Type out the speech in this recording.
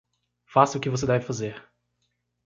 Faça o que você deve fazer